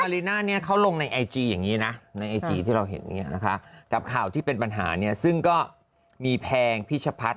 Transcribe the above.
มีก้ามีก้าอะไรวะงงชื่อเป็นฝรั่งมีก้าเออมีก้าเป็นกิกกับ